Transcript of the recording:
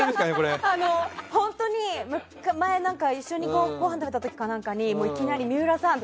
前、一緒にごはん食べた時か何かにいきなり、水卜さん！